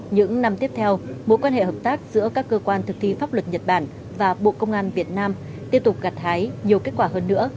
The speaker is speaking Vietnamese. những năm tiếp theo mối quan hệ hợp tác giữa các cơ quan thực thi pháp luật nhật bản và bộ công an việt nam tiếp tục gạt hái nhiều kết quả hơn nữa